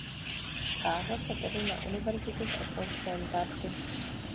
Stáhl se tedy na univerzitu v estonském Tartu.